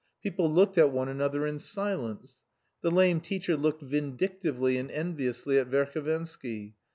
People looked at one another in silence. The lame teacher looked vindictively and enviously at Verhovensky.